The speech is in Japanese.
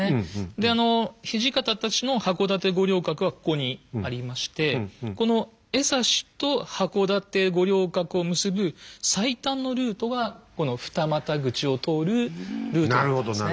で土方たちの箱館五稜郭はここにありましてこの江差と箱館五稜郭を結ぶ最短のルートはこの二股口を通るルートだったんですね。